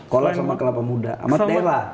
kolak sama kelapa muda sama teh lah